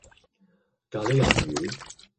咖哩魷魚